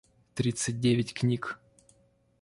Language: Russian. тридцать девять книг